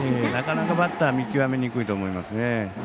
なかなかバッター見極めにくいと思います。